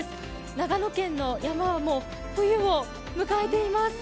長野県の山はもう冬を迎えています。